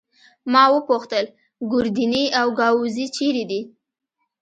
ما وپوښتل: ګوردیني او ګاووزي چيري دي؟